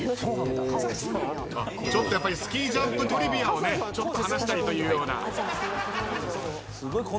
ちょっとやっぱりスキージャンプトリビアを話したりというような。